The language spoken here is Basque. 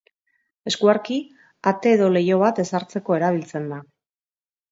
Eskuarki, ate edo leiho bat ezartzeko erabiltzen da.